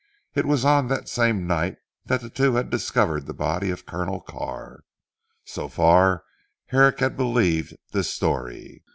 It was on that same night, that the two had discovered the body of Colonel Carr. So far Herrick had believed this story.